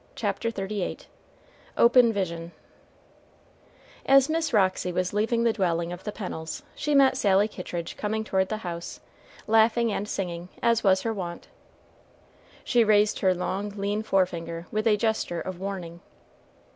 CHAPTER XXXVIII OPEN VISION As Miss Roxy was leaving the dwelling of the Pennels, she met Sally Kittridge coming toward the house, laughing and singing, as was her wont. She raised her long, lean forefinger with a gesture of warning.